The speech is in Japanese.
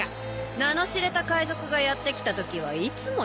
名の知れた海賊がやって来たときはいつもやってるのよ。